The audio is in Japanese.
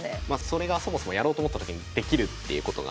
それがそもそもやろうと思った時にできるっていうことがまずすごい。